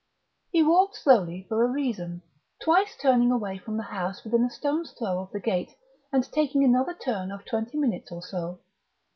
He walked slowly for a reason, twice turning away from the house within a stone's throw of the gate and taking another turn of twenty minutes or so.